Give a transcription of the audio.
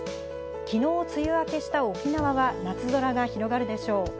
きのう梅雨明けした沖縄は夏空が広がるでしょう。